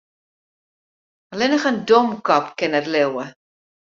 Allinnich in domkop kin dat leauwe.